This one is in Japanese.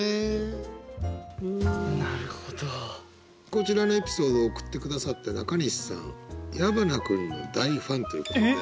こちらのエピソードを送って下さった中西さん矢花君の大ファンということで。